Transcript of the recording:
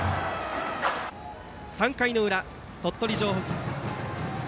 ３回裏、鳥取城北。